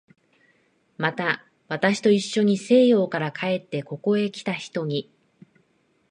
また、私といっしょに西洋から帰ってここへきた人に